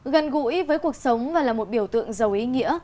gần gũi với cuộc sống và là một biểu tượng giàu ý nghĩa